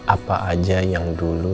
apa aja yang dulu